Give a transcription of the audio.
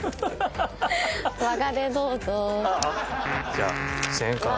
じゃあ１０００円からで。